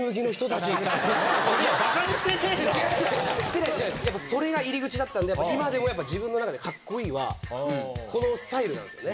してない、してない、それが入り口だったんで、今でもやっぱ自分の中で、かっこいいは、このスタイルなんですよね。